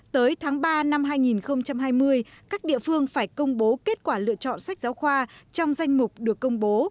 tới tháng ba năm hai nghìn hai mươi các địa phương phải công bố kết quả lựa chọn sách giáo khoa trong danh mục được công bố